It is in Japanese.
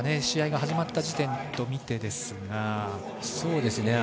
試合が始まった時点と見てですが。